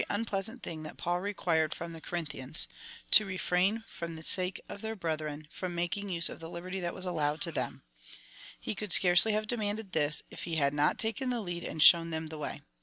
unpleasant thing that Paul required from the Corinthians — to refrain, for the sake of their brethren, from making use of the liberty that was allowed them. He could scarcely have demanded this, if he had not taken the lead and shown them the way.